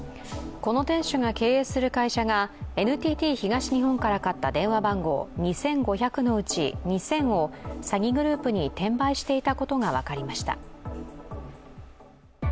この店主が経営する会社がＮＴＴ東日本から買った電話番号２５００のうち２０００を詐欺グループに転売していたことが分かりました。